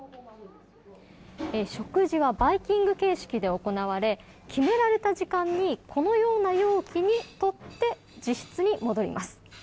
食事はバイキング形式で行われ決められた時間にこのような容器にとって自室に戻ります。